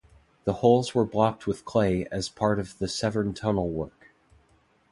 The holes were blocked with clay as part of the Severn Tunnel work.